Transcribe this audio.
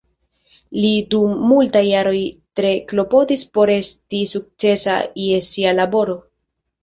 Li dum multaj jaroj tre klopodis por esti sukcesa je sia laboro.